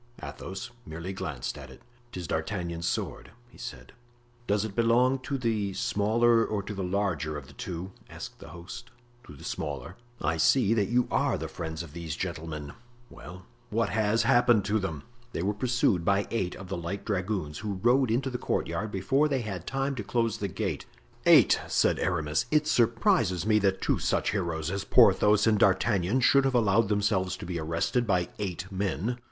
Athos merely glanced at it. "'Tis D'Artagnan's sword," he said. "Does it belong to the smaller or to the larger of the two?" asked the host. "To the smaller." "I see that you are the friends of these gentlemen." "Well, what has happened to them?" "They were pursued by eight of the light dragoons, who rode into the courtyard before they had time to close the gate." "Eight!" said Aramis; "it surprises me that two such heroes as Porthos and D'Artagnan should have allowed themselves to be arrested by eight men."